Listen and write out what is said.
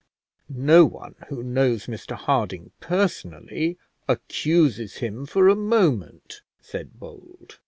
"No one who knows Mr Harding personally accuses him for a moment," said Bold.